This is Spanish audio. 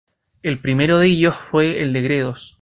El primero de ellos fue el de Gredos.